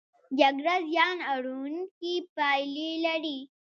جګړه زیان اړوونکې پایلې لري.